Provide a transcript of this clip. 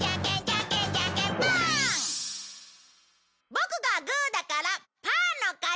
ボクがグーだからパーの勝ち。